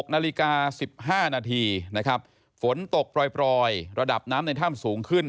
๖นาฬิกา๑๕นาทีนะครับฝนตกปล่อยระดับน้ำในถ้ำสูงขึ้น